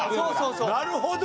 なるほど！